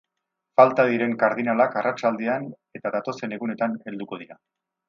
Falta diren kardinalak arratsaldean eta datozen egunetan helduko dira.